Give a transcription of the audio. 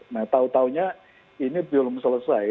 nah tahu tahunya ini belum selesai